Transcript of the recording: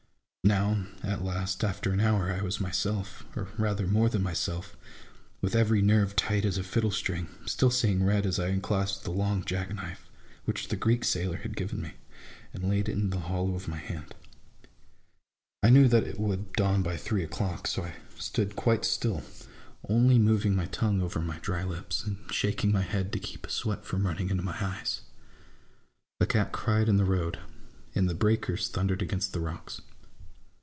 Now, at last, after an hour I was myself, or rather more than myself, with every nerve tight as a fiddle string, still seeing red, as I unclasped the long jack knife, which the Greek sailor had given me, and laid it in the hollow of my hand. I knew that it would dawn by three o'clock, so I stood quite still, only moving my 68 A BOOK OF BARGAINS. tongue over my dry lips, and shaking my head to keep a sweat from running into my eyes. A cat cried in the road, and the breakers thundered against the rocks.